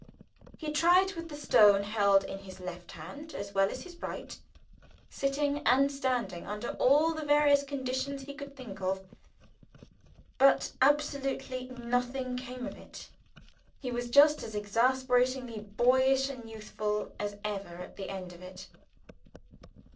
He tried with the stone held in his left hand, as well as his right, sitting and standing, under all the various conditions he could think of, but absolutely nothing came of it; he was just as exasperatingly boyish and youthful as ever at the end of it.